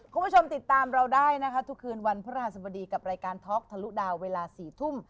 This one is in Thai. คุณผู้ชมติดตามเราได้นะคะทุกคืนวันพระหัสบดีกับรายการท็อกทะลุดาวเวลา๔ทุ่ม